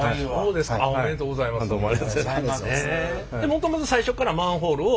もともと最初からマンホールを？